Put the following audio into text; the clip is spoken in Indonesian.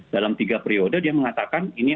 dalam tiga periode dia mengatakan ini